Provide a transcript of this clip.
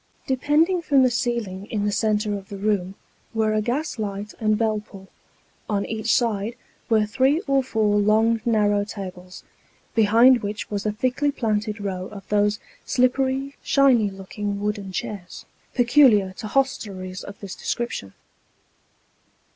Depending from the ceiling in the centre of the room, were a gas light and bell pull ; on each side were three or four long The Parlour itself. 175 narrow tables, behind which was a thickly planted row of those slippery, shiny looking wooden chairs, peculiar to hostelries of this description.